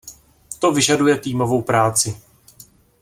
To vyžaduje týmovou práci.